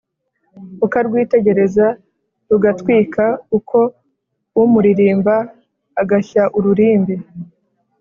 Ukarwitegereza rugatwika, Uko umuririmba ugashya ururimbi,